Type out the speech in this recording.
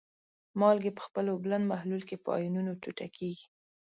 مالګې په خپل اوبلن محلول کې په آیونونو ټوټه کیږي.